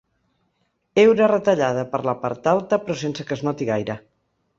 Heura retallada per la part alta, però sense que es noti gaire.